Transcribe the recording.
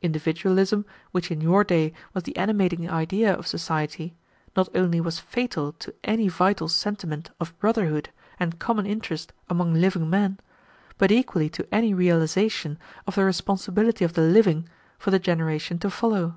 Individualism, which in your day was the animating idea of society, not only was fatal to any vital sentiment of brotherhood and common interest among living men, but equally to any realization of the responsibility of the living for the generation to follow.